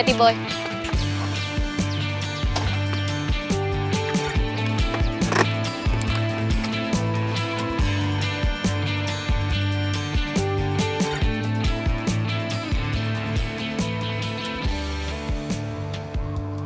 oke kita berhenti